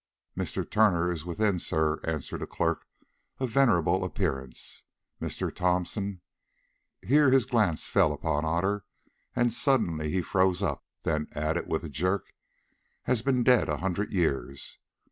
"Mr. Turner is within, sir," answered a clerk of venerable appearance. "Mr. Thomson"—here his glance fell upon Otter and suddenly he froze up, then added with a jerk—"has been dead a hundred years!